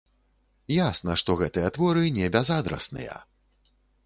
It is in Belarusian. Ясна, што гэтыя творы не бязадрасныя.